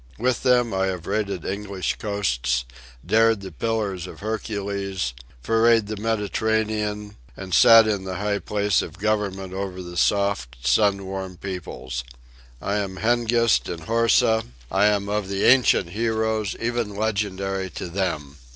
With them I have raided English coasts, dared the Pillars of Hercules, forayed the Mediterranean, and sat in the high place of government over the soft sun warm peoples. I am Hengist and Horsa; I am of the ancient heroes, even legendary to them.